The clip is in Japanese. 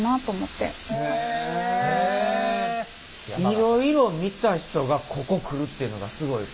いろいろ見た人がここ来るっていうのがすごいですね。